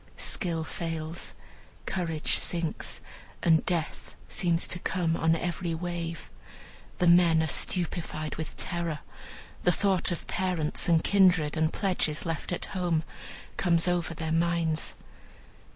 Skill fails, courage sinks, and death seems to come on every wave. The men are stupefied with terror. The thought of parents, and kindred, and pledges left at home, comes over their minds.